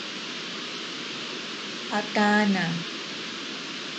Jataana.